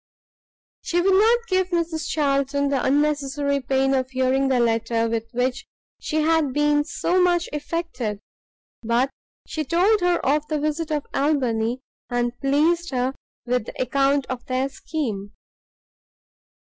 She would not give Mrs Charlton the unnecessary pain of hearing the letter with which she had been so, much affected, but she told her of the visit of Albany, and pleased her with the account of their scheme.